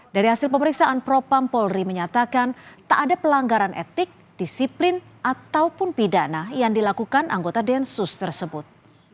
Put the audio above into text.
dari hasil pemeriksaan propam polri menyatakan tak ada pelanggaran etik disiplin ataupun pidana yang dilakukan anggota densus tersebut